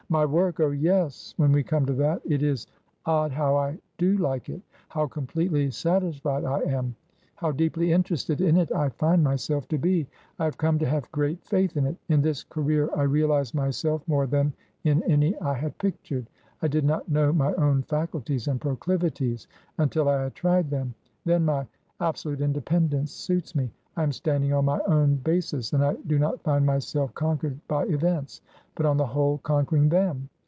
" My work ! Oh, yes, when we come to that. It is odd how I do like it! How completely satisfied I am ! How deeply interested in it I find myself to be ! I have come to have great faith in it. In this career I realize myself more than in any I had pictured. I did not know my own faculties and proclivities until I had tried them. Then my abso lute independence suits me. I am standing on my own basis, and I do not find myself conquered by events, but, on the whole, conquering them.